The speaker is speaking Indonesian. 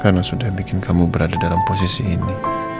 karena sudah bikin kamu berada dalam posisi ini